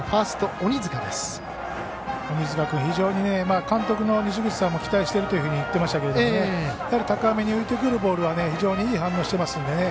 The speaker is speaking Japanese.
鬼塚君、非常に監督の西口さんも期待してると言っていましたけど高めに浮いてくるボールは非常にいい反応してますのでね。